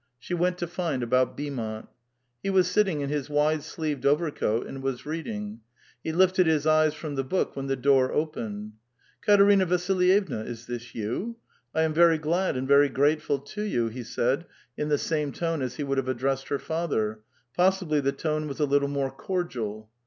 She went to find about Beaumont. He was sitting in his wide sleeved overcoat, and was reading ; he lifted his eyes from the book when the door opened. '•Katerina Vasilyevna, is this you? I am vei y glad and very grateful to you," he said in the same tone as he would have addressed her father ; possibly the tone was a little more cordial.